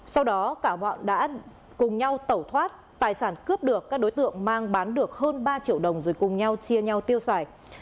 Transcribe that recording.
sau đó cả bọn đã cùng nhau tẩu thoát tài sản cướp được các đối tượng mang bán được hơn ba triệu đồng rồi cùng nhau chia nhau tiêu xài